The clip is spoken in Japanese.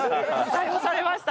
採用されました。